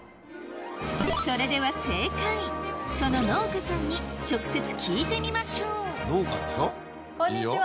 それでは正解その農家さんに直接聞いてみましょうこんにちは。